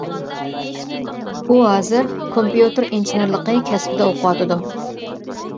ئۇ ھازىر كومپيۇتېر ئىنژېنېرلىقى كەسپىدە ئوقۇۋاتىدۇ.